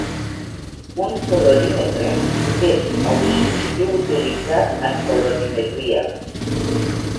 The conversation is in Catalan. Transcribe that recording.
Un colorímetre és el dispositiu utilitzat en colorimetria.